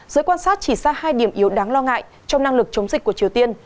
giới quan sát chỉ ra hai điểm yếu đáng lo ngại trong năng lực chống dịch của triều tiên